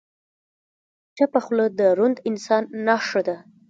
چپه خوله، د دروند انسان نښه ده.